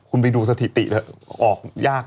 คุณไปดูสถิติเถอะออกยาก